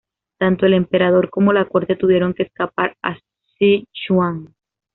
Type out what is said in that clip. Tanto el emperador como la corte tuvieron que escapar a Sichuan.